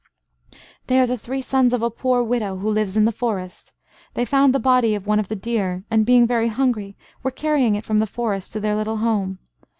"They are the three sons of a poor widow, who lives in the forest. They found the body of one of the deer, and, being very hungry, were carrying it from the forest to their little home.